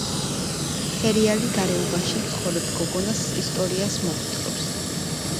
სერიალი გარეუბანში მცხოვრებ გოგონას ისტორიას მოგვითხრობს.